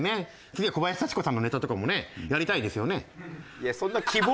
次は小林幸子さんのネタとかもねやりたいですよね。